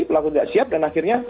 pelaku tidak siap dan akhirnya